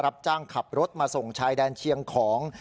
รับจ้างขับรถมาส่งชายแดนเชียงของ